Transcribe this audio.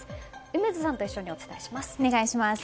梅津さんと一緒にお伝えします。